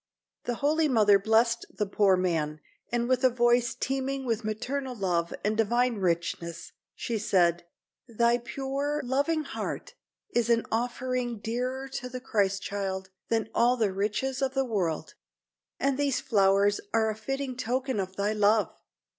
The holy mother blessed the poor man, and with a voice teeming with maternal love and divine richness, she said: "Thy pure, loving heart is an offering dearer to the Christ child than all the riches of the world, and these flowers are a fitting token of thy love.